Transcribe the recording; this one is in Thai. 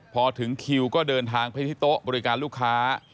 พอถึงคิวก็เดินทางไปที่โต๊ะบริการลูกค้า